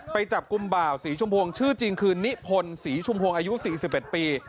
ไปจับกลุ่มบ่าวสีชมพวงชื่อจริงคือนิพนธ์ศรีชุมพวงอายุ๔๑ปี